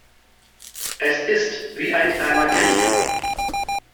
Es ist wie ein kleiner Krieg.